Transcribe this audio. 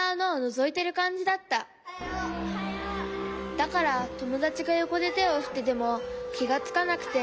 だからともだちがよこでてをふっててもきがつかなくて。